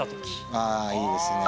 あぁいいですね。